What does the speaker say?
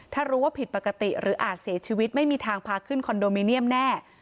ถ้ารู้ว่าผิดปกติหรืออาจเสียชีวิตไม่มีทางพาขึ้นคอนโดมิเนียมแน่